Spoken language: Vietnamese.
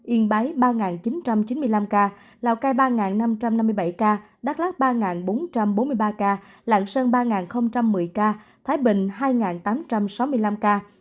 yên bái ba chín trăm chín mươi năm ca lào cai ba năm trăm năm mươi bảy ca đắk lắc ba bốn trăm bốn mươi ba ca lạng sơn ba một mươi ca thái bình hai tám trăm sáu mươi năm ca